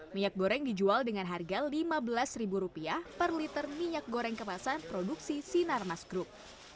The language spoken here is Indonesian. minyak goreng dijual dengan harga rp lima belas per liter minyak goreng kemasan produksi sinar mas group